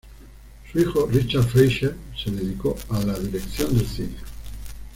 Su hijo, Richard Fleischer, se dedicó a la dirección de cine.